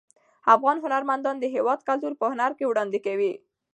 افغان هنرمندان د هیواد کلتور په هنر کې وړاندې کوي.